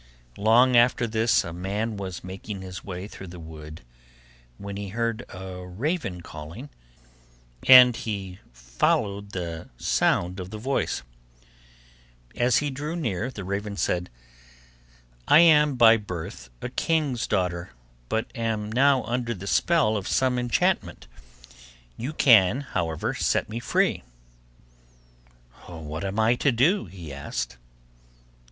Long after this, a man was making his way through the wood when he heard a raven calling, and he followed the sound of the voice. As he drew near, the raven said, 'I am by birth a king's daughter, but am now under the spell of some enchantment; you can, however, set me free.' 'What am I to do?' he asked.